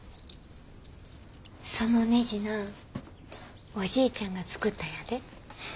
そのねじなおじいちゃんが作ったんやで。